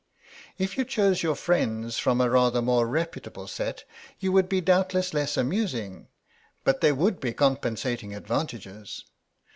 "If you chose your friends from a rather more reputable set you would be doubtless less amusing, but there would be compensating advantages."